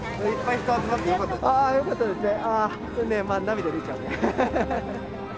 あ良かったですね。